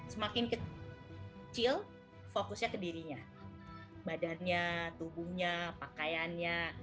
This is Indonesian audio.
semakin kecil fokusnya ke dirinya badannya tubuhnya pakaiannya